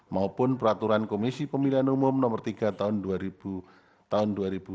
maupun peraturan komisi pemilihan umum no tiga tahun dua ribu sembilan belas